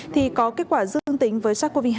thì có kết quả dương tính với sars cov hai